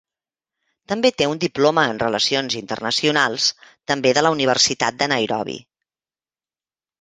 També té un diploma en Relacions Internacionals, també de la Universitat de Nairobi.